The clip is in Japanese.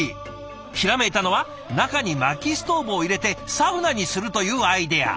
ひらめいたのは中にまきストーブを入れてサウナにするというアイデア。